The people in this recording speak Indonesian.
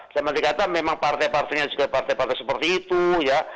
sama dikata memang partai partainya juga partai partai seperti itu ya